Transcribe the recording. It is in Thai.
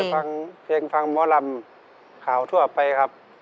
มีอาทิตย์ฟังเพลงพังมะหลัมข่าวทั่วไปครับ